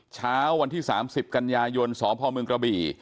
เช้าวันที่๓๐กันยายนสพเมืองกระบี่